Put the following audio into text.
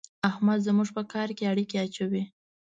احمد زموږ په کار کې اړېکی اچوي.